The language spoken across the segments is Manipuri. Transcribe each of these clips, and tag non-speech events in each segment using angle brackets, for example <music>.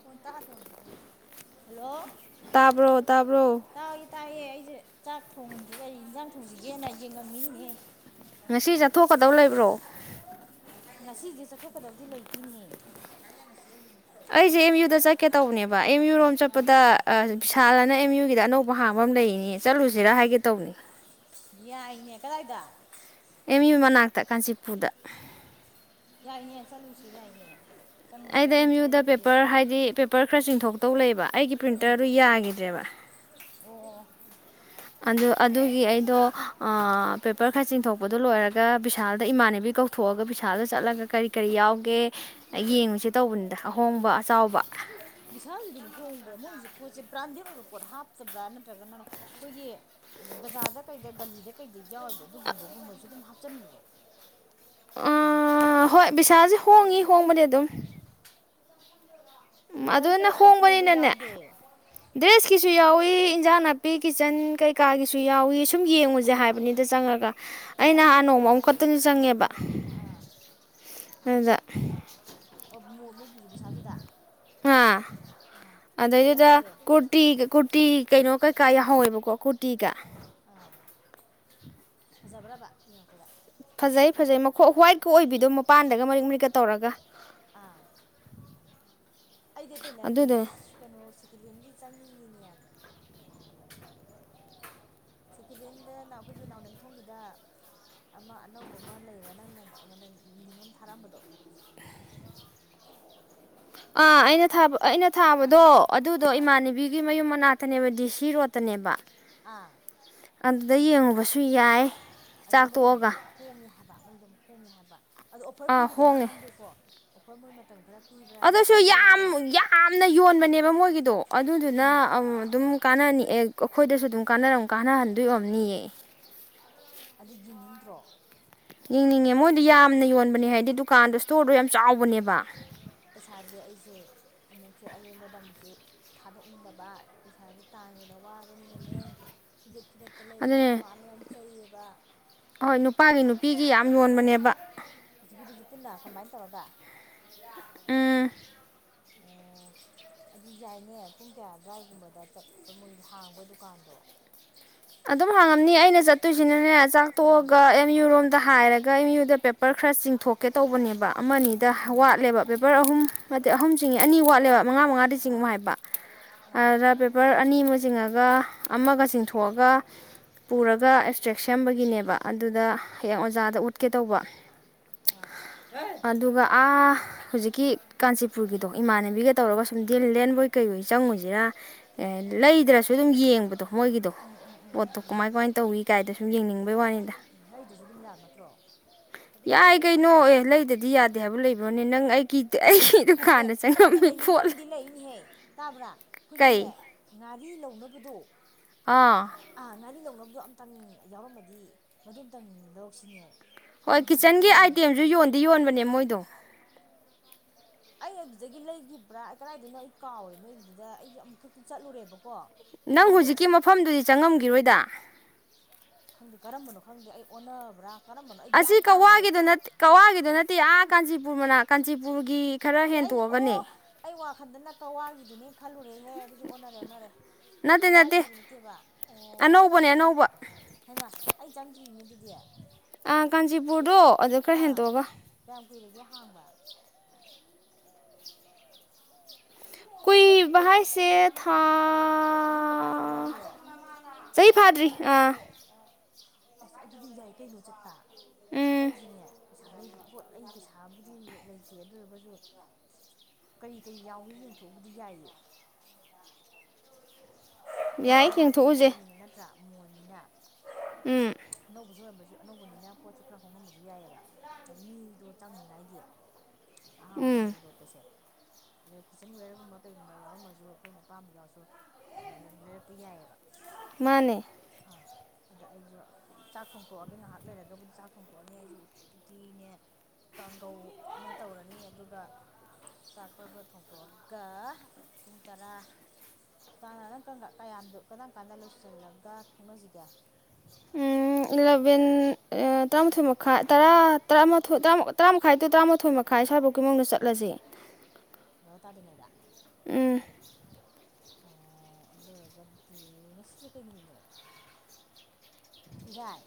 ꯐꯣꯟ ꯇꯥ ꯄꯣꯟꯖꯤꯕꯣ ꯍꯜꯂꯣ ꯇꯥꯕ꯭ꯔꯣ ꯇꯥꯕ꯭ꯔꯣ ꯇꯥꯢꯌꯦ ꯑꯩꯁꯦ ꯆꯥꯛ ꯊꯣꯡꯖꯦ ꯀꯔꯤ ꯌꯦꯟꯖꯥꯡ ꯊꯣꯡꯁꯤꯒꯦꯅ ꯌꯦꯡ ꯉꯝꯃꯤꯅꯤꯍꯦ ꯉꯁꯤ ꯆꯠꯊꯣꯛꯀꯗꯧ ꯂꯩꯕ꯭ꯔꯣ ꯉꯁꯤꯁꯦ ꯆꯠꯊꯣꯛꯀꯗꯕꯗꯤ ꯂꯩꯇꯦꯅꯦꯍꯦ ꯑꯩꯁꯦ ꯑꯦꯝ ꯌꯨꯗ ꯆꯠꯀꯦ ꯇꯧꯕꯅꯦꯕ ꯑꯦꯝ ꯌꯨ ꯔꯣꯝ ꯑꯥ ꯆꯠꯄꯗ ꯑ ꯄꯤꯁꯥꯜꯂꯅ ꯑꯦꯝ ꯌꯨꯒꯤꯗ ꯑꯅꯧ ꯕꯍꯥꯡꯕ ꯑꯃ ꯂꯩꯌꯦ ꯆꯠꯂꯨꯁꯤꯔꯥ ꯍꯥꯏꯒꯦ ꯇꯧꯅꯦ ꯌꯥꯏꯅꯦ ꯀꯗꯥꯏꯗ ꯑꯦꯝ ꯌꯨ ꯃꯅꯥꯛꯇ ꯀꯥꯟꯆꯤꯄꯨꯔꯗ ꯌꯥꯏꯅꯦ ꯆꯠꯂꯨꯁꯤ ꯌꯥꯏꯅꯦ ꯆꯪꯉꯨꯁꯤ ꯑꯩꯗꯣ ꯑꯦꯝ ꯑꯩ ꯊꯕꯛ ꯌꯨꯗ ꯂꯩꯇꯗꯤ ꯄꯦꯄꯔ ꯍꯥꯏꯗꯤ ꯄꯦꯞ ꯄꯔ ꯈꯔ ꯆꯤꯡꯊꯣꯛꯇꯧ ꯂꯩꯌꯦꯕ ꯑꯩꯒꯤ ꯎꯝ ꯄ꯭ꯔꯤꯟꯇꯔꯗꯨ ꯌꯥꯒꯤꯗ꯭ꯔꯦꯕ ꯑꯣ ꯑꯗꯨ ꯑꯗꯨꯒꯤ ꯑꯩꯗꯣ ꯄꯦꯄꯔ ꯈꯔ ꯆꯤꯡꯊꯣꯛꯄꯗꯣ ꯂꯣꯏꯔꯒ ꯕꯤꯁꯥꯜꯗ ꯏꯃꯥꯟꯅꯕꯤ ꯀꯧꯊꯣꯛꯑꯒ ꯕꯤꯁꯥꯜꯗ ꯆꯠꯂꯒ ꯀꯔꯤ ꯀꯔꯤ ꯌꯥꯎꯒꯦ ꯌꯦꯡꯉꯨꯁꯤ ꯇꯧꯕꯅꯤꯗ ꯑꯍꯣꯡꯕ ꯑꯆꯥꯎꯕ ꯚꯤꯁꯥꯜꯗꯤ ꯑꯗꯨꯝ ꯍꯣꯡꯕ꯭ꯔꯥ ꯃꯣꯏꯒꯤꯁꯦ ꯄꯣꯠꯁꯦ ꯕ꯭ꯔꯥꯟꯗꯦꯗ ꯑꯣꯏꯕ ꯄꯣꯠ ꯍꯥꯞꯇꯕ꯭ꯔꯥ ꯅꯠꯇ꯭ꯔꯒꯅ ꯑꯩꯈꯣꯏꯒꯤ ꯕꯖꯥꯔꯗ ꯀꯩꯗ ꯒꯂꯤꯗ ꯀꯩꯗ ꯌꯥꯎꯔꯤ ꯑꯗꯨꯒꯨꯝꯒꯨꯝꯕꯁꯨ ꯑꯗꯨꯝ ꯍꯥꯞ ꯆꯤꯟꯕ꯭ꯔꯣ ꯑ ꯍꯣꯏ ꯕꯤꯁꯥꯜꯁꯤ ꯍꯣꯡꯉꯤ ꯍꯣꯡꯕꯗꯤ ꯑꯗꯨꯝ ꯎ ꯀꯩ ꯑꯗꯨꯅ ꯀꯩ ꯑꯥꯏꯇꯦꯝꯒ ꯍꯣꯡꯕꯅꯤꯅꯅꯦ ꯌꯥꯎꯒꯦ ꯗ꯭ꯔꯦꯁꯀꯤꯁꯨ ꯌꯥꯎꯋꯤ ꯐꯤ ꯏꯟꯖꯥꯡ ꯅꯥꯄꯤ ꯀꯤꯠꯆꯟ ꯀꯩꯀꯥꯒꯤꯁꯨ ꯌꯥꯎꯏ ꯁꯨꯝ ꯌꯦꯡꯉꯨꯁꯦ ꯍꯥꯏꯕꯅꯤꯗ ꯆꯪꯉꯒ ꯑꯩ ꯑꯁ ꯑꯩꯗꯤ ꯅꯍꯥꯟ ꯅꯣꯡꯃ ꯑꯇꯩꯅ ꯑꯃꯨꯛ ꯍꯥꯏꯗꯤ ꯈꯛꯇꯅ ꯎꯝ ꯆꯪꯉꯦꯕ ꯍꯥꯏꯔꯛꯑꯣ ꯑꯥ ꯑꯗꯨꯗ ꯑꯣ ꯃꯣꯏꯒꯤ ꯕꯤꯚꯤꯁꯥꯜꯗꯨꯗ ꯑ ꯑꯥ ꯀꯩꯀꯩ ꯑꯗꯩꯗꯨꯗ ꯌꯥꯎꯍꯧꯒꯦ ꯀꯨꯔꯇꯤ ꯀꯨꯔꯇꯤ ꯀꯩꯅꯣ ꯀꯩꯀꯥ ꯌꯥꯎꯍꯧꯋꯦꯕꯀꯣ ꯀꯨꯔꯇꯤꯒ ꯑꯥ ꯐꯖꯕ꯭ꯔꯕ ꯌꯦꯡꯉꯛꯄꯗ ꯐꯖꯩ ꯐꯖꯩ ꯃ ꯍꯣꯏ ꯍ꯭ꯋꯥꯏꯠꯀ ꯑꯣꯏꯕꯤꯗꯣ ꯃꯄꯥꯟꯗꯒ ꯃꯔꯤꯛ ꯃꯔꯤꯛꯀ ꯇꯧꯔꯒ ꯑꯥ ꯑꯩꯗꯤ ꯑꯇꯩ ꯂꯥꯢꯔꯤꯅꯦ ꯑꯗꯨꯗꯨꯅꯦ ꯀꯩꯅꯣ ꯁꯤꯀꯦꯂꯦꯟꯒꯤ ꯆꯪꯅꯤꯡꯏꯅꯦ <inaudible> ꯁꯦꯀꯦꯟ ꯍꯦꯟꯗ ꯑꯩꯈꯣꯏꯒꯤ ꯅꯥꯎꯔꯦꯝꯊꯣꯡꯒꯤꯗ ꯑꯃ ꯑꯅꯧꯕ ꯑꯃ ꯂꯩꯌꯦꯕ ꯅꯪ ꯅꯣꯡꯃ ꯑꯩꯉꯣꯟꯗ ꯂꯤꯡ ꯑꯃ ꯊꯥꯔꯛ ꯑꯝꯕꯗꯣ ꯑꯥ ꯑꯩꯅ ꯊꯥꯕ ꯑꯩꯅ ꯑꯥ ꯊꯥꯕꯗꯣ ꯑꯗꯨꯗꯣ ꯑꯥ ꯏꯃꯥꯟꯅꯕꯤꯒꯤ ꯃꯌꯨꯝ ꯃꯅꯥꯛꯇ ꯇꯅꯦꯕ ꯗꯤ ꯁꯤ ꯔꯣꯗꯇꯅꯦꯕ <unintelligible> ꯑꯗꯨꯗꯩ ꯌꯦꯡꯉꯨꯕꯁꯨ ꯌꯥꯏ ꯑꯗꯣ ꯆꯥꯛ ꯃꯣꯏꯒꯤꯗꯨ ꯇꯣꯛꯑꯒ ꯍꯣꯡꯉꯦ ꯍꯥꯏꯕ ꯃꯣꯏꯗꯣ ꯍꯣꯡꯉꯦ ꯍꯥꯏꯕ ꯑꯗꯣ ꯑꯣꯐꯔ ꯑꯥ ꯄꯤꯔꯤꯔꯗꯤ ꯍꯣꯡꯉꯦ ꯈꯪꯗꯦꯀꯣ ꯑꯣꯐꯔ ꯃꯣꯏ ꯃꯇꯝ ꯈꯔ ꯄꯤꯕ꯭ꯔꯥꯗꯤ ꯑꯗꯨꯁꯨ ꯌꯥꯝ ꯈꯪꯗꯦꯕꯀꯣ ꯌꯥꯝꯅ ꯌꯣꯟꯕꯅꯦꯕ ꯃꯣꯏꯒꯤꯗꯣ ꯑꯗꯨꯗꯨꯅ ꯎꯝ ꯑꯗꯨꯝ ꯀꯥꯟꯅꯅꯤ ꯑꯦ ꯑꯩꯈꯣꯏꯗꯁꯨ ꯑꯗꯨꯝ ꯀꯥꯟ ꯀꯥꯟꯅꯍꯟꯗꯣꯏ ꯑꯣꯢꯔꯝꯅꯤꯌꯦ ꯑꯗꯨ ꯌꯦꯡꯅꯤꯡꯗ꯭ꯔꯣ ꯌꯦꯡꯅꯤꯡꯉꯦ ꯃꯣꯏꯗꯨ ꯌꯥꯝꯅ ꯌꯣꯟꯕꯅꯦ ꯍꯥꯏꯗꯤ ꯗꯨꯀꯥꯟꯗꯣ ꯏꯁꯇꯣꯔꯗꯣ ꯌꯥꯝ ꯆꯥꯎꯕꯅꯦꯕ ꯄꯩꯁꯥꯁꯦ ꯑꯩꯁꯦ ꯑꯃꯨꯛꯁꯨ ꯑꯔꯦꯝꯕꯗ ꯑꯃꯨꯛꯁꯨ ꯊꯥꯗꯣꯛꯅꯤꯡꯗꯕ ꯄꯩꯁꯥꯁꯦ ꯇꯥꯟꯕꯗ ꯋꯥꯕ ꯅꯤꯅꯅꯦ ꯐꯤꯒꯠ ꯐꯤꯒꯠꯇ ꯂꯩꯕꯁꯦ ꯑꯗꯨꯅꯦ ꯑꯩꯈꯣꯏ ꯃꯥꯅ ꯌꯥꯝ ꯆꯩꯩꯌꯦꯕ ꯋꯥ ꯍꯣꯏ ꯅꯨꯄꯥꯒꯤ ꯅꯨꯄꯤꯒꯤ ꯌꯥꯝ ꯌꯣꯟꯕꯅꯦꯕ ꯍꯧꯖꯤꯛꯀꯤꯗꯨꯁꯨ ꯄꯨꯟꯅ ꯀꯝꯕꯥꯏꯟ ꯇꯧꯔꯒ ꯎꯝ ꯑꯣ ꯑꯗꯨ ꯌꯥꯏꯅꯦ ꯄꯨꯡ ꯀꯌꯥ ꯑꯗꯨꯋꯥꯏꯒꯨꯝꯕꯗ ꯆꯠꯄ ꯃꯣꯏꯒꯤ ꯍꯥꯡꯕ ꯗꯨꯀꯥꯟꯗꯣ ꯑꯗꯨꯝ ꯍꯥꯡꯉꯝꯅꯤ ꯑꯩꯅ ꯆꯠꯇꯣꯏꯁꯤꯅꯅꯦ ꯆꯥꯛ ꯇꯣꯛꯑꯒ ꯑꯦꯝ ꯌꯨ ꯔꯣꯝꯗ ꯍꯥꯏꯔ ꯑꯩ ꯑꯦꯝꯌꯨꯗ ꯄꯦꯄꯔ ꯈꯔ ꯆꯤꯡꯊꯣꯛꯀꯦ ꯇꯧꯕꯅꯦꯕ ꯑꯃꯅꯤꯗ ꯋꯥꯠꯂꯦꯕ ꯄꯦꯄꯔ ꯑꯍꯨꯝ ꯅꯠꯇꯦ ꯑꯍꯨꯝ ꯆꯤꯡꯉꯦ ꯑꯅꯤ ꯋꯥꯠꯂꯦꯕ ꯃꯉꯥ ꯃꯉꯥꯗꯤ ꯑꯥ ꯆꯤꯡꯉꯨ ꯍꯥꯏꯕ ꯑꯥ ꯑꯗꯨꯗ ꯄꯦꯄꯔ ꯑꯅꯤꯃ ꯆꯤꯡꯉꯒ ꯑꯃꯒ ꯆꯤꯡꯊꯣꯛ ꯑꯒ ꯄꯨꯔꯒ ꯑꯦꯛꯁꯇ꯭ꯔꯦꯛ ꯁꯦꯝꯕꯒꯤꯅꯦꯕ ꯑꯗꯨꯗ ꯍꯌꯦꯡ ꯑꯣꯖꯥꯗ ꯎꯠꯀꯦ ꯇꯧꯕ ꯑꯥ <inaudible> ꯑꯗꯨꯒ ꯑꯥ ꯍꯧꯖꯤꯛꯀꯤ ꯀꯥꯟꯆꯤꯄꯨꯔꯒꯤꯗꯣ ꯏꯃꯥꯟꯅꯕꯤꯒ ꯇꯧꯔꯒ ꯁꯨꯝ ꯗꯤꯜ ꯂꯦꯟꯕꯣꯏ ꯀꯩ ꯑꯣꯏ ꯆꯪꯉꯨꯁꯤꯔꯥ ꯎꯝ ꯂꯩꯗ꯭ꯔꯁꯨ ꯑꯗꯨꯝ ꯌꯦꯡꯕꯗꯣ ꯃꯣꯏꯒꯤꯗꯣ ꯎꯝ ꯎꯝ ꯎꯝ ꯄꯣꯠꯇꯣ ꯎꯝ ꯀꯨꯃꯥꯏ ꯀꯨꯃꯥꯏꯅ ꯇꯧꯏ ꯀꯥꯏꯗꯣ ꯁꯨꯝ ꯌꯦꯡꯅꯤꯡꯕꯩ ꯋꯥꯅꯤꯗ ꯎꯝ ꯂꯩꯗꯁꯨ ꯑꯗꯨꯝ ꯌꯥꯕ ꯅꯠꯇ꯭ꯔꯣ ꯌꯥꯏ ꯀꯩꯅꯣ ꯑꯦ ꯂꯩꯗꯗꯤ ꯌꯥꯗꯦ ꯍꯥꯏꯕ ꯂꯩꯕꯔꯣ ꯅꯪ ꯑꯩ ꯀꯤꯗꯦ ꯑꯩ ꯑꯦ ꯑꯩꯅ ꯂꯩ ꯅꯤꯡꯕ ꯑꯝꯗꯤ ꯂꯩꯅꯦꯍꯦ ꯇꯥꯕ꯭ꯔꯥ ꯑꯩꯈꯣꯏꯒꯤꯅꯦ ꯀꯩ ꯉꯥꯔꯤ ꯂꯧꯅꯕ ꯄꯗꯣ ꯑꯥ ꯑ ꯉꯔꯤ ꯂꯧꯅꯕ ꯑꯗꯨ ꯑꯃꯝꯇꯪ ꯌꯥꯎꯔꯝꯃꯗꯤ ꯃꯗꯨ ꯑꯝꯇꯪ ꯂꯧꯔꯛꯁꯤꯅꯦ ꯍꯣꯏ ꯑꯩ ꯂꯧꯒꯦ ꯀꯤꯠꯆꯟꯒꯤ ꯈꯜꯂꯤꯅꯤꯅꯦ ꯑꯥꯏꯇꯦꯝꯁꯨ ꯌꯣꯟꯗꯤ ꯌꯣꯟꯕꯅꯦ ꯃꯣꯏꯗꯣ ꯑꯩ ꯑꯗꯨꯗꯒꯤ ꯂꯩꯈꯤꯕ꯭ꯔꯥ ꯀꯗꯥꯏꯗꯅꯣ ꯑꯩ ꯀꯥꯎꯔꯦ ꯅꯣꯏꯒꯤꯗꯨꯗ ꯑꯩꯁꯦ ꯑꯃꯨꯛ ꯈꯛꯇꯤ ꯆꯠꯂꯨꯔꯦꯕꯀꯣ ꯅꯪ ꯃꯐꯝꯗꯣ ꯍꯧꯖꯤꯛꯀꯤ ꯃꯐꯝꯗꯨꯗꯤ ꯆꯪꯉꯝꯈꯤꯔꯣꯏꯗ ꯈꯪꯗꯦ ꯀꯔꯝꯕꯅꯣ ꯈꯪꯗꯦ ꯑꯩ ꯑꯣꯟꯅꯕ꯭ꯔꯥ ꯀꯔꯝꯕꯅꯣ ꯑꯩ ꯑꯁꯤ ꯒ꯭ꯌꯥꯟ ꯇꯥꯗ꯭ꯔꯦ ꯀꯋꯥꯒꯤꯗꯣ ꯀꯋꯥꯒꯤꯗꯣ ꯅꯠꯇꯦ ꯑꯥ ꯀꯥꯟꯆꯤꯄꯨꯔ ꯃꯅꯥꯛꯇ ꯀꯥꯟꯆꯤꯄꯨꯔꯒꯤ ꯈꯔ ꯑꯦ ꯑꯩꯅ ꯑꯣ ꯍꯦꯟꯇꯣꯛꯑꯒꯅꯦ ꯑꯩ ꯋꯥꯈꯟꯗꯅ ꯀꯛꯋꯥꯒꯤꯗꯨꯅꯤ ꯈꯜꯂꯣ ꯅꯩꯍꯦ ꯑꯗꯨꯗꯤ ꯑꯣꯟꯅꯔꯦ ꯑꯣꯟꯅꯔꯦ ꯅꯠꯇꯦ ꯅꯠꯇꯦ ꯀꯛꯋꯥꯒꯤꯗꯨ ꯅꯠꯇꯦꯕ ꯑꯣ ꯑꯅꯧꯕꯅꯦ ꯑꯅꯧꯕ ꯑꯩꯅ ꯆꯪ ꯊꯦꯡꯅꯤꯅꯦ ꯑꯗꯨꯗꯤ ꯀꯥꯟꯆꯤꯄꯨꯔꯗꯣ ꯑꯗꯨꯗ ꯈꯔ ꯑꯥ ꯍꯦꯟꯗꯣꯛ ꯑꯒ ꯀꯌꯥꯝ ꯀꯨꯏꯔꯒꯦ ꯍꯥꯡꯕ ꯀꯨꯏꯕ ꯍꯥꯏꯁꯦ ꯊꯥ ꯆꯍꯤꯒ ꯐꯥꯗ꯭ꯔꯤ ꯋꯥꯔꯤꯔꯣ ꯆꯍꯤ ꯐꯥꯗ꯭ꯔꯤ ꯑꯥ ꯑꯁ ꯑꯗꯨꯗꯤ ꯌꯥꯏ ꯀꯩꯅꯣ ꯆꯠꯄ ꯎꯝ ꯆꯠꯂꯨꯖꯤꯅꯦ ꯄꯩꯁꯥ ꯂꯩ ꯄꯣꯠ ꯑꯩ ꯄꯩꯁꯥ ꯕꯨꯗꯤ ꯂꯩꯇꯦ ꯑꯗꯨꯑꯣꯏꯔꯒꯁꯨ ꯀꯔꯤ ꯀꯔꯤ ꯌꯥꯎꯏ ꯌꯦꯡꯊꯣꯛꯎꯕꯗꯤ ꯌꯥꯏꯌꯦ ꯃꯌꯨꯝ ꯌꯥꯏ ꯃꯅꯥꯛꯅꯦ ꯌꯦꯡꯊꯣꯛꯎꯁꯦ ꯍꯥꯏꯕꯅꯤꯅ ꯅꯠꯇ꯭ꯔꯥ ꯃꯣꯜꯅꯤꯅꯥ ꯎꯝ ꯑꯅꯧꯕꯖꯨ ꯑꯣꯏꯔꯝꯕꯖꯨ ꯑꯗꯨ ꯑꯅꯧꯕꯅꯤꯅ ꯄꯣꯠꯁꯨ ꯈꯔ ꯍꯣꯡꯉꯝꯕꯁꯨ ꯌꯥꯏꯑꯕ ꯍꯥꯏꯗꯤ ꯃꯤꯗꯣ ꯆꯪꯅꯤꯉꯥꯏꯒꯤ ꯑꯍꯥꯝꯕ ꯅꯧꯅꯥ ꯎꯝ ꯍꯧꯗꯣꯔꯛꯄꯁꯦ ꯑꯗꯩ ꯀꯤꯠꯆꯟ ꯋꯦꯌꯔꯒꯨꯝꯕ ꯀꯩꯒꯨꯝꯕ ꯌꯥꯎꯔꯝꯃꯁꯨ ꯑꯈꯣꯏꯅ ꯑꯄꯥꯝꯕ ꯌꯥꯎꯁꯨ ꯂꯩꯔꯛꯄ ꯌꯥꯏꯌꯦꯕ ꯃꯥꯅꯦ ꯑꯗ ꯑꯩꯁꯨ ꯆꯥꯛ ꯊꯣꯡꯇꯣꯛꯑꯒꯦ ꯉꯥꯏꯍꯥꯛ ꯂꯩꯔꯒꯕꯨꯗꯤ ꯆꯥꯛ ꯊꯣꯡꯗꯣꯛꯑꯅꯦ ꯑꯩꯁꯨ ꯎꯇꯤꯅꯦ ꯀꯥꯡꯒꯧ ꯑꯃ ꯇꯧꯔꯅꯤ ꯑꯗꯨꯒ ꯆꯥꯛ ꯄꯔꯞ ꯄꯔꯞ ꯊꯣꯡꯇꯣꯛꯑꯒ ꯄꯨꯡ ꯇꯔꯥ ꯇꯥꯅꯥ ꯅꯪ ꯀꯌꯥꯝ ꯗꯨ ꯀꯔꯝ ꯀꯥꯟꯗ ꯂꯣꯏꯁꯤꯜꯂꯒ ꯊꯣꯛꯅꯥꯁꯤꯒꯦ ꯏꯂꯚꯦꯟ ꯇꯔꯥꯃꯥꯊꯣꯏ ꯃꯈꯥꯏ ꯇꯔꯥ ꯇꯔꯥꯃꯊꯣꯏ ꯇꯔꯥꯃꯨꯛ ꯇꯔ꯭ꯃꯨꯛ ꯇꯔꯥꯃꯥꯊꯣꯏ ꯃꯈꯥꯏ ꯁ꯭ꯋꯥꯏꯐꯥꯎꯀꯤ ꯃꯅꯨꯡꯗ ꯆꯠꯂꯁꯦ ꯕꯥꯔꯣ ꯇꯥꯗꯔ꯭ꯤꯉꯩꯗ ꯎꯝ ꯑꯣ ꯑꯗꯨꯑꯣꯏꯔꯒꯗꯤ ꯉꯁꯤꯁꯦ ꯀꯩ ꯅꯨꯃꯤꯠꯅꯣ ꯏꯔꯥꯏ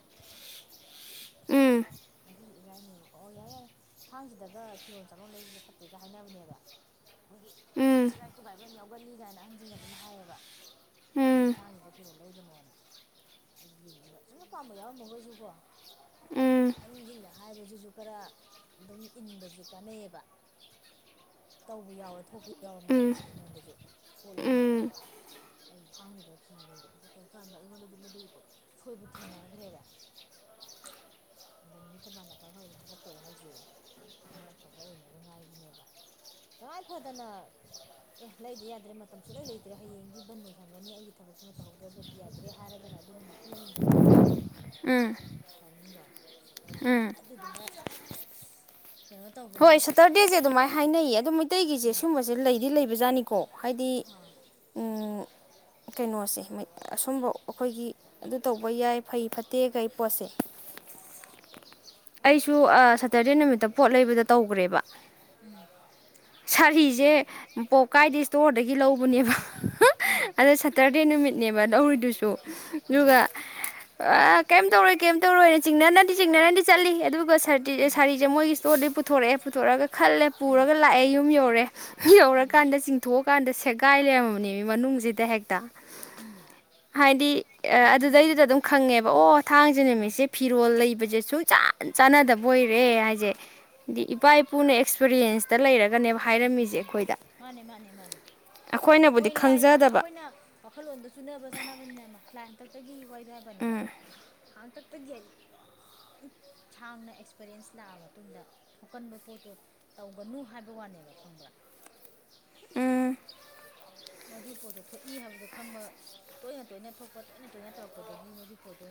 ꯎꯝ ꯉꯁꯤꯁꯦ ꯏꯔꯥꯏꯅꯦꯕꯀꯣ ꯑꯣ ꯌꯥꯏ ꯌꯥꯏ ꯊꯥꯡꯖꯗꯒꯥ ꯐꯤꯔꯣꯜ ꯆꯔꯣꯟ ꯂꯩꯕꯁꯦ ꯐꯠꯇꯦꯒ ꯍꯥꯏꯅꯕꯅꯦꯕ ꯃꯣꯏꯒꯤ ꯎꯝ ꯁꯦꯒꯥꯏ ꯇꯨꯒꯥꯏꯕ ꯌꯥꯝ ꯌꯥꯎꯒꯟ ꯍꯧꯒꯠꯂꯤ ꯀꯥꯏꯅ ꯑꯍꯟꯁꯤꯡꯅ ꯑꯗꯨꯝ ꯍꯥꯏꯌꯦꯕ ꯎꯝ ꯇꯦ ꯊꯥꯡꯖꯗ ꯐꯤꯔꯣꯟ ꯂꯩꯒꯅꯣꯅ ꯑꯩ ꯌꯦꯡꯅꯤꯕ ꯁꯨꯝꯅ ꯄꯥꯝꯕ ꯌꯥꯎꯔꯝꯃꯒꯥꯁꯨꯀꯣ ꯎꯝ ꯑꯟꯖꯤꯡꯅꯥ ꯍꯥꯏꯕꯁꯤꯁꯨ ꯈꯔ ꯑꯗꯨꯝ ꯏꯟꯕꯁꯦ ꯀꯥꯟꯅꯩꯌꯦꯕ ꯇꯧꯕ ꯌꯥꯎꯔ ꯊꯣꯛꯄ ꯎꯝ ꯌꯥꯎꯔꯝꯅꯦꯕꯁꯦ ꯑꯩꯉꯣꯟꯗꯁꯨ ꯄꯣꯠ ꯂꯩꯕ ꯎꯝ ꯃꯇꯝꯗ ꯑꯩ ꯊꯥꯡꯖꯗ ꯐꯤ ꯂꯩꯕ ꯈꯣꯠꯄ ꯇꯧꯀꯥꯟꯗ ꯑꯩꯉꯣꯟꯗꯁꯨ ꯃꯗꯨꯒꯤ ꯄꯣꯠꯇꯨ ꯁꯣꯏꯕ ꯊꯦꯡꯅꯈ꯭ꯔꯦꯕ ꯑꯗꯣ ꯅꯨꯃꯤꯠ ꯊꯕꯥꯟ ꯑꯐ ꯐꯕꯗ ꯊꯕꯛ ꯇꯧ ꯍꯥꯏꯁꯦ ꯈꯨꯗꯤꯡꯃꯛ ꯑꯐꯕ ꯑꯣꯏꯅꯤꯉꯥꯏꯒꯤꯅꯦꯕ ꯇꯉꯥꯏ ꯐꯗꯅ ꯑꯦ ꯂꯩꯗ꯭ ꯌꯥꯗ꯭ꯔꯦ ꯃꯇꯝ ꯁꯨꯛꯂꯩ ꯂꯩꯇ꯭ꯔꯦ ꯍꯌꯦꯡꯗꯤ ꯕꯟ ꯑꯣꯏꯁꯟꯒꯅꯤ ꯑꯩꯒꯤ ꯊꯕꯛꯁꯤꯃ ꯇꯧꯍꯧꯗ꯭ꯔꯒꯗꯤ ꯌꯥꯗ꯭ꯔꯦ ꯍꯥꯏꯔꯒꯅ ꯑꯗꯨꯅ ꯃꯈꯜꯑꯃꯅꯤꯗꯅꯥꯀꯣ ꯎꯝ ꯇꯥꯏꯃꯤꯡꯗꯣ ꯑꯗꯨꯗꯨꯅ ꯀꯩꯅꯣ ꯇꯧꯕꯅꯦ ꯍꯣꯏ ꯁꯇꯔꯗꯦꯁꯦ ꯑꯗꯨꯃꯥꯏꯅ ꯍꯥꯏꯅꯩꯌꯦ ꯑꯗꯣ ꯃꯩꯇꯩꯒꯤꯁꯦ ꯎꯝ ꯁꯤꯒꯨꯝꯕꯁꯦ ꯂꯩꯗꯤ ꯂꯩꯕꯖꯥꯅꯤ ꯀꯣ ꯍꯥꯏꯗꯤ ꯑꯥ ꯎꯝ ꯀꯩꯅꯣꯁꯦ ꯑꯁꯨꯝꯕ ꯑꯩꯈꯣꯏꯒꯤ ꯑꯗꯨ ꯇꯧꯕ ꯌꯥꯏ ꯐꯩ ꯐꯠꯇꯦ ꯀꯩ ꯄꯣꯠꯁꯦ ꯑꯩꯁꯨ ꯑ ꯁꯇꯔꯗꯦ ꯅꯨꯃꯤꯠꯇ ꯄꯣꯠ ꯂꯩꯕꯗ ꯇꯧꯒ꯭ꯔꯦꯕꯥ ꯎꯝ ꯁꯥꯔꯤꯁꯦ ꯄꯣꯞꯀꯥꯏꯗ ꯏꯁꯇꯣꯔꯗꯒꯤ ꯂꯧꯕꯅꯦꯕ ꯑꯗꯣ ꯁꯇꯔꯗꯦ ꯅꯨꯃꯤꯠꯅꯦꯕ ꯂꯧꯔꯤꯗꯨꯁꯨ ꯎꯝ ꯎꯝ ꯑꯗꯨꯒ ꯀꯩꯝ ꯇꯧꯔꯣꯏ ꯀꯩꯝ ꯇꯧꯔꯣꯏꯅ ꯆꯤꯡꯅꯅꯗꯤ ꯆꯤꯡꯅꯅꯗꯤ ꯆꯠꯂꯤ ꯑꯗꯨꯒ ꯁꯥꯔꯤꯁꯦ ꯃꯣꯏꯒꯤ ꯏꯁꯇꯣꯔꯗꯩ ꯄꯨ ꯄꯨꯊꯣꯔꯛꯑꯦ ꯄꯨꯊꯣꯔꯛꯒ ꯈꯜꯂꯦ ꯄꯨꯔꯒ ꯂꯥꯛꯑꯦ ꯌꯨꯝ ꯌꯧꯔꯦ ꯎꯝ ꯌꯧꯔꯀꯥꯟꯗ ꯆꯤꯡꯊꯣꯛꯑꯀꯥꯟꯗ ꯁꯤ ꯁꯦꯒꯥꯏ ꯂꯩꯔꯝꯃꯕꯅꯦ ꯃꯤ ꯃꯅꯨꯡꯁꯤꯗ ꯍꯦꯛꯇ ꯎꯝ ꯍꯥꯏꯗꯤ ꯑꯦ ꯃꯤꯅꯤꯠ ꯑꯍꯨꯝꯗ ꯑꯗꯨꯗꯩꯗꯨꯗ ꯉꯥꯏꯔꯦ ꯑꯗꯨꯝ ꯈꯪꯉꯦꯕ ꯑꯣ ꯊꯥꯡꯖ ꯅꯨꯃꯤꯠꯁꯦ ꯐꯤꯔꯣꯜ ꯂꯩꯕ ꯕ꯭ꯔꯥꯖꯦꯁꯣꯔ ꯌꯥꯝ ꯆꯥꯟꯅꯗꯕ ꯑꯣꯏꯔꯦ ꯍꯥꯏꯁꯦ ꯗꯤ ꯏꯄꯥ ꯄꯨꯅ ꯑꯦꯛꯁꯄꯔꯤꯌꯦꯟꯁꯇ ꯂꯩꯔꯒꯅꯦꯕ ꯎꯝ ꯎꯝ ꯎꯝ ꯍꯥꯏꯔꯝꯃꯤꯖꯦ ꯃꯥꯅꯦ ꯃꯥꯅꯦ ꯃꯥꯅꯦ ꯑꯩꯈꯣꯏꯅꯕꯨꯗꯤ ꯃꯣꯏ ꯂꯥꯏꯅ ꯈꯪꯖꯗꯕ ꯑꯩꯈꯣꯏꯅ ꯋꯥꯈꯜꯂꯣꯟꯗ ꯆꯨꯅꯕ ꯆꯥꯅꯕꯅꯤꯅꯦ ꯑꯃ ꯂꯥꯏ ꯑꯝꯇ ꯇꯒꯤ ꯋꯥ꯭ꯏꯕ ꯋꯦꯕꯅꯦꯕ ꯍꯥꯡꯇꯛ ꯈꯛꯇꯒꯤ ꯍꯥꯏꯗꯤ ꯌꯥꯝ ꯁꯥꯡꯅ ꯑꯦꯛꯁꯄꯔꯤꯌꯦꯟꯁ ꯂꯥꯛꯑ ꯃꯇꯨꯡꯗ ꯊꯣꯛꯀꯟꯕ ꯄꯣꯠꯇꯣ ꯇꯧꯒꯅꯨ ꯍꯥꯏꯕ ꯋꯥꯅꯦꯕ ꯈꯪꯕ꯭ꯔꯥ ꯃꯗꯨ ꯄꯣꯠꯇꯣ ꯊꯣꯛꯏ ꯍꯥꯏꯕꯗꯣ ꯈꯪꯕ ꯇꯣꯏꯅ ꯇꯣꯏꯅ ꯊꯣꯛꯄ ꯇꯣꯏꯅ ꯇꯣꯏꯅ ꯇꯧꯔꯛꯄꯗꯒꯤ ꯃꯗꯨꯒꯤ ꯄꯣꯠꯇꯣ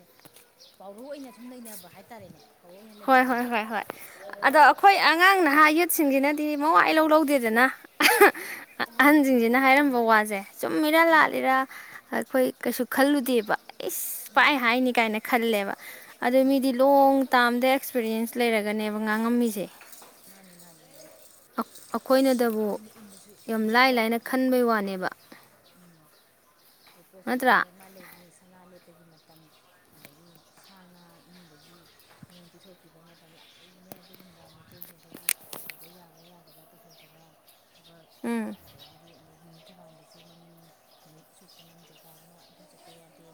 ꯄꯥꯎꯔꯨ ꯑꯣꯏꯅ ꯁꯨꯝ ꯂꯩꯅꯕ ꯍꯥꯏꯇꯥꯔꯦꯅꯦ ꯄꯥꯎꯔꯧ ꯑꯣꯏꯅ ꯍꯣꯏ ꯍꯣꯏ ꯂꯩꯍꯧꯕꯅꯦꯕ ꯍꯣꯏ ꯍꯣꯏ ꯑꯗꯣ ꯑꯥ ꯑꯩꯈꯣꯏ ꯑꯉꯥꯡ ꯅꯍꯥ ꯌꯨꯠꯁꯤꯡꯖꯤꯅ ꯗꯤ ꯃꯋꯥ ꯏ ꯂꯧ ꯂꯧꯗꯦꯗꯅ ꯍꯣꯏ ꯑꯍꯟꯁꯤꯡꯁꯤꯅ ꯑꯗꯨꯕꯨꯗꯤ ꯆꯨꯝꯃꯦ ꯍꯥꯏꯔꯝꯕ ꯋꯥꯖꯦ ꯆꯨꯝꯃꯤꯔꯥ ꯎꯝ ꯂꯥꯜꯂꯤꯔꯥ ꯑꯩꯈꯣꯏ ꯀꯩꯁꯨ ꯈꯜꯂꯨꯗꯦꯕ ꯏꯁ ꯄꯥꯏ ꯎꯝ ꯍꯥꯏꯅꯤ ꯀꯥꯏꯅ ꯈꯜꯂꯦꯕ ꯑꯗꯨꯗ ꯎꯝ ꯃꯤꯗꯤ ꯂꯣꯡ ꯇꯥꯝꯗ ꯑꯦꯛꯁꯄꯤꯔꯤꯌꯦꯟꯁ ꯂꯩꯔꯒꯅꯦꯕ ꯉꯥꯡꯉꯝꯃꯤꯁꯦ ꯃꯥꯅꯤ ꯃꯥꯅꯤ ꯃꯥꯅꯤ ꯑꯩꯈꯣꯏꯅꯗꯕꯨ ꯑꯗꯨꯅ ꯏꯟꯗꯁꯨ ꯌꯥꯝ ꯏꯟꯗꯁꯨ ꯂꯥꯏ ꯂꯥꯏꯅ ꯌꯥꯄꯣꯠꯇꯦ ꯈꯟꯕꯩ ꯋꯥꯅꯦꯕ ꯑꯣꯏ ꯄꯣꯠ ꯅꯠꯇ꯭ꯔꯥ ꯆꯩꯗꯨꯅ ꯃꯥ ꯂꯩꯕꯅꯤ ꯁꯅꯥ ꯂꯦꯞꯄꯒꯤ ꯃꯇꯝ ꯃꯇꯝ ꯁꯥ ꯉꯥ ꯏꯃꯨꯡꯗꯒꯤ ꯃꯤꯉꯣꯟꯜ ꯄꯤꯊꯣꯛꯈꯤꯕ ꯃꯇꯝ ꯌꯥꯝ ꯂꯩꯕꯅꯦ ꯑꯗꯨꯒꯨꯝꯕ ꯃꯩ ꯃꯩꯇꯩꯒꯤ ꯑꯩꯈꯣꯏꯒꯤ ꯇꯧꯕ ꯌꯥꯕ ꯌꯥꯗꯕ ꯇꯧꯍꯩꯗꯕ ꯊꯕꯛ ꯎꯝ ꯑꯗꯒꯤꯗꯤ ꯑꯗꯒꯤ ꯊꯕꯥꯜꯗꯁꯨ ꯃꯅꯤꯡ ꯅꯨꯃꯤꯠ ꯑꯁꯨꯛꯇꯅ ꯅꯤꯡꯊꯧ ꯀꯥꯕꯅ ꯑꯗꯨ ꯆꯠꯄ ꯌꯥꯗꯦ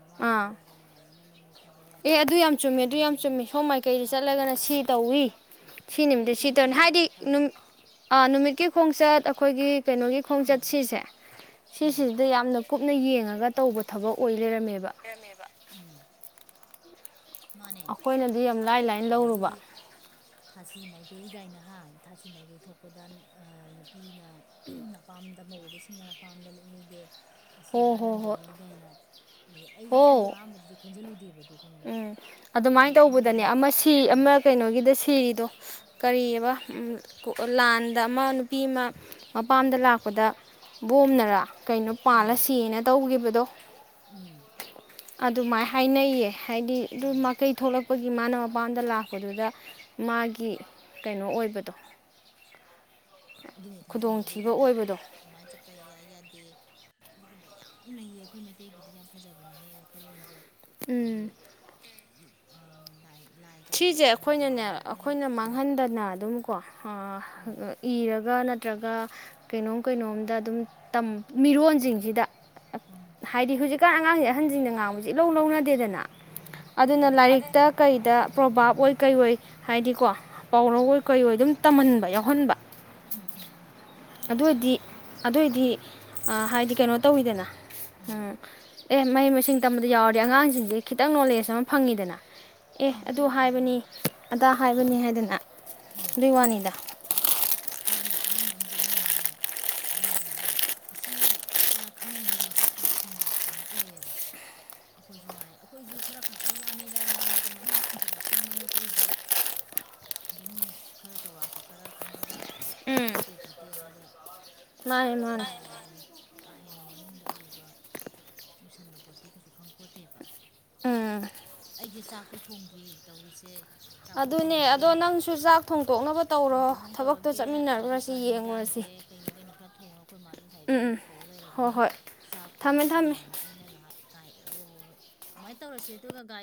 ꯃꯃꯥꯡ ꯀꯥꯕ ꯑꯥ ꯌꯥꯗꯦꯅ ꯅꯣꯡꯃꯥꯢꯖꯤꯡꯅ ꯃꯅꯤꯡ ꯀꯨꯝꯕ ꯑꯦ ꯌꯥꯗꯦ ꯑꯗꯨ ꯌꯥꯝ ꯆꯨꯝꯃꯦ ꯑꯗꯨ ꯌꯥꯝ ꯁꯒꯣꯜꯁꯦꯟꯅ ꯆꯨꯝꯃꯦ ꯁꯣꯝ ꯃꯥꯏꯀꯩꯗ ꯃꯈꯥ ꯀꯨꯝꯕ ꯆꯠꯂꯒꯅ ꯌꯥꯗꯦ ꯁꯤ ꯇꯧꯋꯤ ꯑꯥ ꯁꯤ ꯅꯨꯃꯤꯠꯇ ꯑꯩꯁꯨ ꯈꯔ ꯁꯤ ꯇꯧꯅꯤ ꯃꯈꯩꯗꯤ ꯈꯔ ꯍꯥꯏꯗꯤ ꯈꯔ ꯈꯪꯉꯦ ꯅꯨꯃꯤꯠꯀꯤ ꯈꯣꯡꯆꯠ ꯑꯩꯈꯣꯏꯒꯤ ꯀꯩꯅꯣꯒꯤ ꯈꯣꯡꯆꯠ ꯎꯝ ꯁꯤꯁꯦ ꯎꯝ ꯁꯤꯁꯤꯁꯤꯗ ꯌꯥꯝꯅ ꯀꯨꯞꯅ ꯌꯦꯡꯉꯒ ꯇꯧꯕ ꯊꯕꯛ ꯑꯣꯏ ꯂꯩꯔꯝꯃꯦꯕ ꯂꯩꯔꯝꯃꯦꯕ ꯃꯥꯅꯦ ꯑꯩꯈꯣꯏꯅꯗꯤ ꯌꯥꯝ ꯂꯥꯏ ꯂꯥꯏꯅ ꯂꯧꯔꯨꯕ ꯑꯗꯒꯤꯗꯤ ꯊꯥꯁꯤ ꯃꯥꯏꯀꯩꯒꯥꯏꯅ ꯍꯥꯏ ꯊꯥꯁꯤ ꯃꯥꯏꯀꯩ ꯊꯣꯛꯄꯗ ꯅꯨꯄꯤꯅ ꯃꯄꯥꯝꯗ ꯃꯧꯑꯣꯢꯕꯤꯁꯤꯡꯅ ꯃꯄꯥꯝꯗ ꯂꯦꯛꯍꯩꯗꯦ ꯑꯁꯤ ꯍꯣ ꯑꯅꯥ ꯍꯣ ꯍꯣꯏ ꯅꯪꯒꯅꯤ ꯀꯥꯏꯅ ꯑꯩꯁꯨ ꯑꯩꯈꯣꯏꯁꯨ ꯍꯣ ꯑꯍꯥꯟꯕꯗꯗꯤ ꯈꯟꯖꯤꯜꯂꯨꯗꯦꯕ ꯈꯪꯕ꯭ꯔꯥ ꯎꯝ ꯑꯗꯣ ꯑꯗꯨꯃꯥꯏꯅ ꯇꯧꯕꯗꯅꯦ ꯑꯍꯟꯁꯤꯅ ꯑꯃ ꯁꯤ ꯎꯝ ꯑꯃ ꯀꯩꯅꯣꯒꯤꯗ ꯁꯤꯔꯤꯗꯣ ꯀꯔꯤꯕ ꯎꯝ ꯀꯨ ꯂꯥꯟꯗ ꯑꯃ ꯅꯨꯄꯤ ꯑꯃ ꯃꯄꯥꯝꯗ ꯂꯥꯛꯄꯗ ꯕꯣꯝꯅꯔꯥ ꯀꯩꯅꯣ ꯄꯥꯜꯂ ꯎꯝ ꯁꯤꯅ ꯇꯧꯒꯤꯕꯗꯣ ꯎꯝ ꯑꯗꯨꯃꯥꯏꯅ ꯍꯥꯏꯅꯩꯌꯦ ꯍꯥꯏꯗꯤ ꯑꯗꯨ ꯑꯥ ꯃꯀꯩ ꯊꯣꯛꯣꯂꯛꯄ ꯑꯩꯈꯣꯏꯒꯤ ꯃꯥꯅ ꯃꯄꯥꯝꯗ ꯂꯥꯛꯄꯗꯨꯗ ꯃꯥꯒꯤ ꯀꯩꯅꯣ ꯑꯣꯏꯕꯗꯣ ꯑꯗꯨꯅꯤ ꯈꯨꯗꯣꯡꯊꯤꯕ ꯑꯣꯏꯕꯗꯣ ꯑꯗꯨꯒꯨꯝꯕ ꯌꯥꯝ ꯂꯩꯌꯦ ꯑꯩꯈꯣꯏ ꯃꯩꯇꯩꯒꯤꯗꯤ ꯌꯥꯝ ꯐꯖꯕꯅꯤꯍꯦ ꯋꯥꯈꯜꯂꯣꯟꯁꯦ ꯑꯗꯤ ꯎꯝ ꯎꯝ ꯁꯤꯁꯦ ꯑꯩꯈꯣꯏꯅꯅꯦ ꯌꯥꯝꯅ ꯅꯛꯅꯅ ꯑꯩꯈꯣꯏꯅ ꯎꯝ ꯃꯥꯡꯍꯟꯗꯅ ꯑꯗꯨꯝ ꯀꯣ ꯍꯥ ꯎꯝ ꯏꯔꯒ ꯅꯠ ꯅꯠꯇ꯭ꯔꯒ ꯀꯩꯅꯣꯝ ꯀꯩꯅꯣꯝꯗ ꯑꯗꯨꯝ ꯇꯝ ꯃꯤꯔꯣꯟꯁꯤꯡꯁꯤꯗ ꯎꯝ ꯍꯥꯏꯗꯤ ꯍꯨꯖꯤꯛ ꯀꯥꯟ ꯑꯉꯥꯡꯁꯦ ꯑꯍꯟꯁꯤꯡꯅ ꯉꯥꯡꯕꯁꯦ ꯏꯂꯧ ꯂꯧꯅꯗꯦꯗꯅ ꯑꯗꯨꯅ ꯎꯝ ꯂꯥꯏꯔꯤꯛꯇ ꯀꯩꯗ ꯄ꯭ꯔꯣꯕꯥꯥꯕ ꯑꯣꯏ ꯀꯩ ꯑꯣꯏ ꯍꯥꯏꯗꯤꯀꯣ ꯄꯥꯎꯔꯧ ꯎꯝ ꯑꯣꯏ ꯀꯩꯑꯣꯏ ꯑꯗꯨꯝ ꯇꯝꯍꯟꯕ ꯌꯥꯎꯍꯟꯕ ꯎꯝ ꯎꯝ ꯎꯝ ꯑꯗꯨꯏꯗꯤ ꯑꯗꯨꯏꯗꯤ ꯑꯥ ꯍꯥꯏꯗꯤ ꯀꯩꯅꯣ ꯇꯧꯋꯤꯗꯅ ꯎꯝ ꯑꯦ ꯃꯍꯩ ꯃꯁꯤꯡ ꯇꯝꯕꯗ ꯌꯥꯎꯔꯗꯤ ꯑꯉꯥꯡꯁꯤꯡꯗꯤ ꯈꯤꯇꯪ ꯅꯣꯂꯦꯖ ꯑꯃ ꯐꯪꯉꯤꯗꯅ ꯑꯦ ꯑꯗꯨ ꯐꯪꯗꯣꯏꯅꯤ ꯍꯥꯏꯕꯅꯤ ꯐꯪꯗꯣꯏꯅꯤ ꯑ ꯑꯗꯥ ꯍꯥꯏꯕꯅꯤ ꯍꯥꯏꯗꯅ ꯎꯝ ꯑꯗꯨꯏ ꯋꯥꯅꯤꯗ ꯃꯥꯅꯦ ꯈꯪꯍꯟꯕ ꯑꯃ ꯆꯪꯉꯤꯅꯤꯅꯦ ꯑꯗꯨꯗꯨꯅ ꯑꯁꯤ ꯌꯥꯝꯅ ꯈꯪꯉꯤꯉꯩ ꯂꯧꯁꯤꯡ ꯀꯩꯅꯣ ꯑꯣꯏꯌꯦꯕ ꯑꯩꯈꯣꯏꯁꯨ ꯉꯥꯏ ꯑꯩꯈꯣꯏꯁꯨ ꯈꯔ ꯈꯛ ꯀꯩ ꯋꯥꯅꯤꯗ ꯌꯥꯝꯅꯒ ꯃꯅꯨꯡ ꯍꯟꯖꯤꯟꯅ ꯈꯪꯕ ꯅꯠꯇ꯭ꯔꯤꯗ ꯑꯗꯨꯝ ꯈꯔ ꯆꯥꯎꯔꯥꯛꯄ ꯈꯔ ꯈꯪꯉꯒ ꯎꯝ ꯐꯠꯇꯦ ꯈꯣꯠꯇꯦ ꯍꯥꯏꯕ ꯃꯥꯅꯦ ꯃꯥꯅꯦ <unintelligible> ꯥ ꯍꯦꯟꯅ ꯃꯅꯨꯡꯗ ꯑꯔꯨꯕ ꯂꯨꯁꯟꯕ ꯄꯣꯠꯇꯤ ꯀꯩꯁꯨ ꯈꯪꯕꯄꯣꯠꯇꯦꯕ ꯎꯝ ꯑꯩꯁꯦ ꯆꯥꯛꯁꯨ ꯊꯣꯡꯗ꯭ꯔꯤ ꯇꯧꯔꯤꯁꯦ ꯑꯗꯨꯅꯦ ꯑꯗꯣ ꯅꯪ ꯊꯣꯡ ꯊꯣꯛ ꯑꯃꯨꯛ ꯇꯧꯔꯛꯀꯦ ꯆꯠꯃꯤꯟꯅꯔꯨꯔꯁꯤ ꯑꯗꯨꯒ ꯌꯦꯡꯉꯨꯔꯁꯤ ꯍꯟꯖꯥꯡꯁꯦ ꯀꯩꯅꯣ ꯀꯩꯅꯣ ꯈꯔ ꯊꯣꯡꯉꯒ ꯑꯩꯈꯣꯏ ꯃꯥꯁꯨ ꯎꯝ ꯉꯁꯥꯏꯗꯒꯤ ꯎꯝ ꯑꯩꯁꯦ ꯀꯧ ꯍꯣꯏ ꯂꯩꯔꯕꯅꯤ ꯍꯣꯏ ꯆꯥꯛ ꯊꯝꯃꯦ ꯊꯣꯡꯉꯣ ꯊꯝꯃꯦ ꯊꯣꯡꯉꯣꯅ ꯑꯩꯅ ꯉꯥꯏꯍꯥꯛ ꯉꯥꯏ ꯑꯦ ꯍꯣꯏ ꯍꯣꯏ ꯍꯣꯏ ꯑꯗꯨꯃꯥꯏꯅ ꯇꯧꯔꯁꯦ ꯑꯗꯨꯒ ꯒꯥꯔꯤ